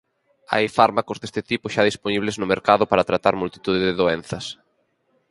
Hai fármacos deste tipo xa dispoñibles no mercado para tratar multitude de doenzas.